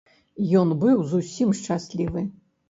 Ён быў зусім шчаслівы.